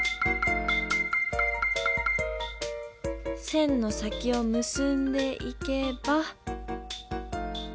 線の先をむすんでいけば。